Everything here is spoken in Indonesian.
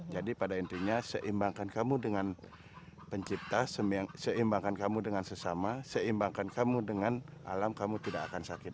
jadi pada intinya seimbangkan kamu dengan pencipta seimbangkan kamu dengan sesama seimbangkan kamu dengan alam kamu tidak akan sakit